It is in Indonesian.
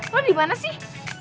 lo dimana sih